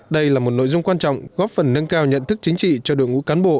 đây là một nội dung quan trọng góp phần nâng cao nhận thức chính trị cho đội ngũ cán bộ